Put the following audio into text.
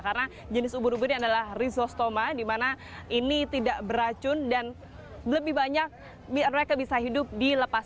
karena jenis ubur ubur ini adalah risostoma di mana ini tidak beracun dan lebih banyak mereka bisa hidup dilepas